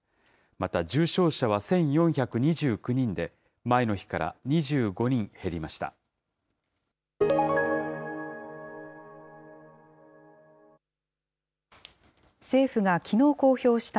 また、重症者は１４２９人で、前の日から２５人減りました。